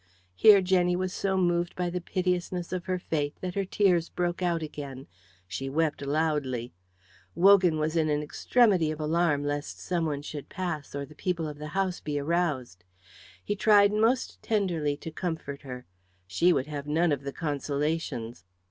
Here Jenny was so moved by the piteousness of her fate that her tears broke out again. She wept loudly. Wogan was in an extremity of alarm lest someone should pass, or the people of the house be aroused. He tried most tenderly to comfort her. She would have none of the consolations.